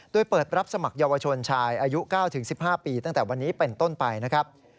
โดยเปิดรับสมัครเยาวชนชายอายุ๙๑๕ปีตั้งแต่วันนี้เป็นต้นไปนะครับ